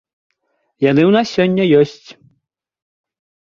Яны ў нас сёння ёсць.